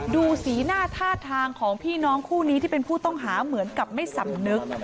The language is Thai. ดูสีหน้าท่าทางของพี่น้องคู่นี้ที่เป็นผู้ต้องหาเหมือนกับไม่สำนึก